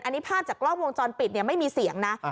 อันนี้ภาพจากกล้องวงจรปิดไม่มีเสียงนะ